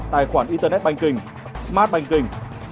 tài khoản internet banking smart banking